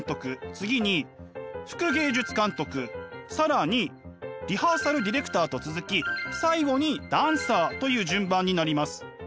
次に副芸術監督更にリハーサル・ディレクターと続き最後にダンサーという順番になります。